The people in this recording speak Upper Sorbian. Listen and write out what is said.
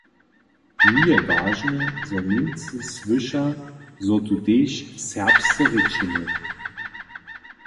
Mi je wažne, zo Němcy słyša, zo tu tež serbsce rěčimy.